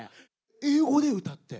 英語で歌って？